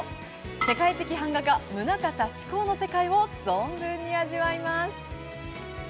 世界的版画家、棟方志功の世界を存分に味わいます。